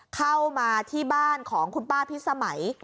เข้ามาที่บ้านของคุณป้าพิสมัย